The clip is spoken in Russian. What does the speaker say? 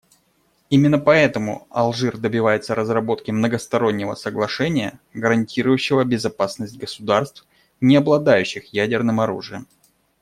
Именно поэтому Алжир добивается разработки многостороннего соглашения, гарантирующего безопасность государств, не обладающих ядерным оружием.